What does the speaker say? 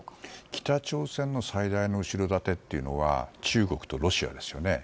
北朝鮮の最大の後ろ盾は中国とロシアですよね。